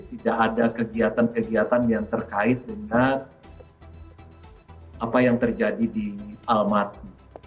tidak ada kegiatan kegiatan yang terkait dengan apa yang terjadi di almaty